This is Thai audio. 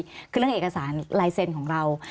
คือเรื่องเอกสารไลเซนของเรา